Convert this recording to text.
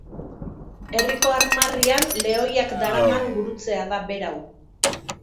Herriko armarrian lehoiak daraman gurutzea da berau.